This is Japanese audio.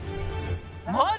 マジ？